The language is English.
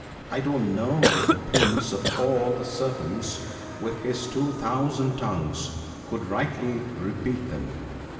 I don't know if the Prince of all the Serpents ("), with his two thousand tongues, could rightly repeat them.'